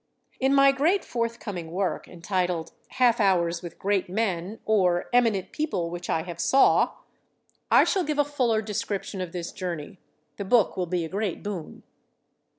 In my great forthcoming work, entitled "Half Hours with Great Men, or Eminent People Which I Have Saw," I shall give a fuller description of this journey. The book will be a great boon.